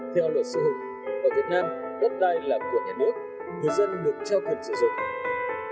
theo luật sư hùng ở việt nam đất đai là của nhà nước người dân được treo quyền sử dụng